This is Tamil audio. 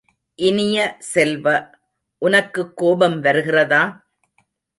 இனிய செல்வ, உனக்குக் கோபம் வருகிறதா?